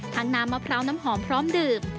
น้ำมะพร้าวน้ำหอมพร้อมดื่ม